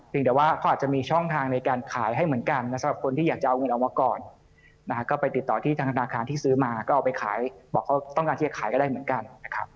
เดี๋ยวว่าเขาอาจจะมีช่องทางในการขายให้เหมือนกันสำหรับคนที่อยากจะเอาเงินออกมาก่อนนะฮะก็ไปติดต่อที่ธนาคารที่ซื้อมาก็เอาไปขายบอกเขาต้องการที่จะขายก็ได้เหมือนกันนะครับ